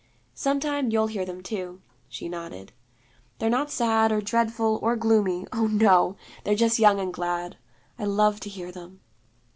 'Some time you'll hear them too,' she nodded. 'They're not sad or dreadful or gloomy; oh, no! They're just young and glad. I love to hear them.'